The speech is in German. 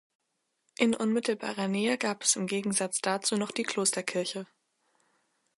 In unmittelbarer Nähe gab es im Gegensatz dazu noch die Klosterkirche.